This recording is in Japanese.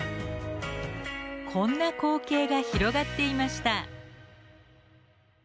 こんな光景が広がっていました。